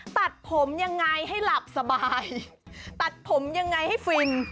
ตัดผมยังไงให้หลับสบายตัดผมยังไงให้ฟิน